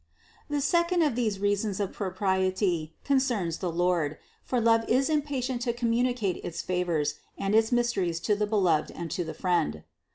619. The second of these reasons of propriety concerns the Lord : for love is impatient to communicate its favors and its mysteries to the beloved and to the friend.